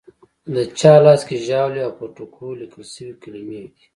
د چا لاس کې ژاولي او پر ټوکرو لیکل شوې کلیمې دي.